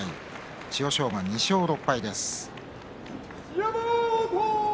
千代翔馬、２勝６敗です。